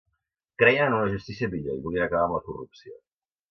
Creien en una justícia millor i volien acabar amb la corrupció.